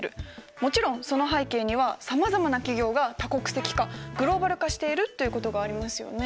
もちろんその背景にはさまざまな企業が多国籍化グローバル化しているっていうことがありますよね。